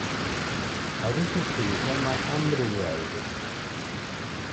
A veces se le llama "hambre de aire".